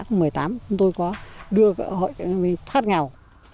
chúng tôi có đưa hội cho hợp tác xã trẻ thắt ngào